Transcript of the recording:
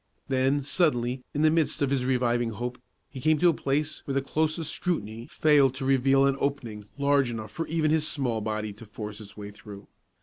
Then, suddenly, in the midst of his reviving hope, he came to a place where the closest scrutiny failed to reveal an opening large enough for even his small body to force its way through.